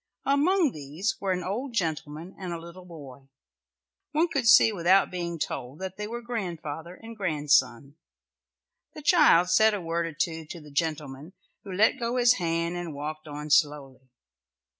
Among these were an old gentleman and a little boy. One could see without being told that they were grandfather and grandson. The child said a word or two to the gentleman, who let go his hand and walked on slowly.